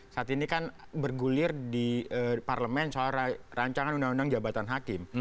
saat ini kan bergulir di parlemen soal rancangan undang undang jabatan hakim